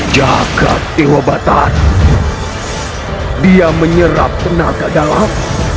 jaga dewa batar dia menyerap tenaga dalam